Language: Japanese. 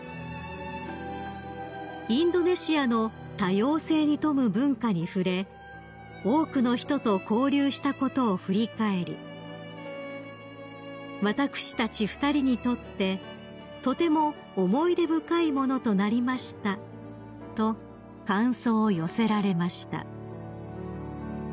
［インドネシアの多様性に富む文化に触れ多くの人と交流したことを振り返り「私たち２人にとってとても思い出深いものとなりました」と感想を寄せられました］